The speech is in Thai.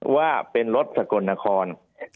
ภารกิจสรรค์ภารกิจสรรค์